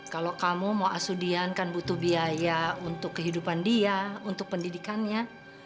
kalau kamu mau asudian kan butuh biaya untuk kehidupan dia untuk pendidikannya